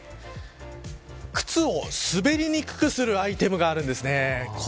靴を滑りにくくするアイテムがあるんです。